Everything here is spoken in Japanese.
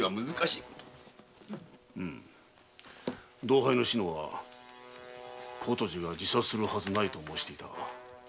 うむ同輩の志乃は琴路が自殺するはずないと申していたが。